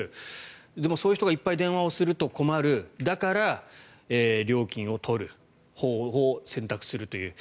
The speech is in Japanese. でも、そういう人がいっぱい電話すると困るだから料金を取る方法を選択するという。